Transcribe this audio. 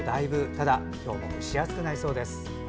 ただ今日も蒸し暑くなりそうです。